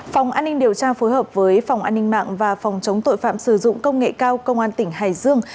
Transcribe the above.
phòng an ninh điều tra phối hợp với phòng an ninh mạng và phòng chống tội phạm sử dụng công nghệ cao công an tỉnh hải dương